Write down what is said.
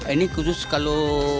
ini khusus kalau